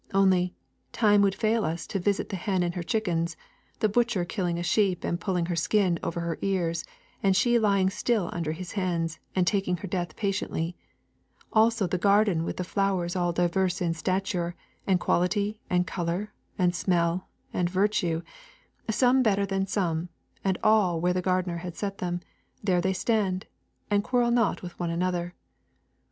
Only, time would fail us to visit the hen and her chickens; the butcher killing a sheep and pulling her skin over her ears, and she lying still under his hands and taking her death patiently; also the garden with the flowers all diverse in stature, and quality, and colour, and smell, and virtue, and some better than some, and all where the gardener had set them, there they stand, and quarrel not with one another.